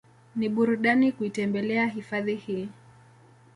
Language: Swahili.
Ni burudani kuitembelea hifadhi hii